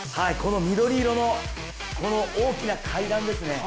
緑色の大きな階段ですね。